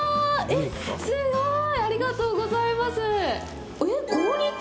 えっ、すごい！ありがとうございます！